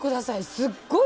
すっごい！